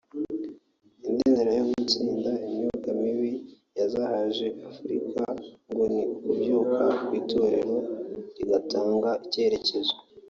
Indi nzira yo gutsinda imyuka mibi yazahaje Afurika ngo ni ukubyuka kw’itorero rigatanga icyerekezo